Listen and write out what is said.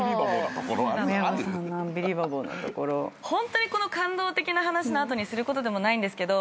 ホントにこの感動的な話の後にすることでもないんですけど。